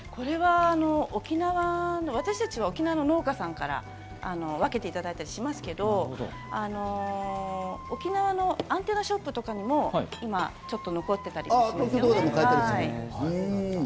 私たちは沖縄の農家さんからこれを分けていただいたりしますけど、沖縄のアンテナショップとかにも、今、残ってたりしますね。